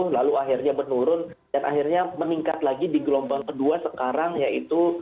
lalu akhirnya menurun dan akhirnya meningkat lagi di gelombang kedua sekarang yaitu